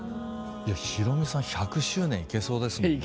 いやひろみさん１００周年いけそうですもんね。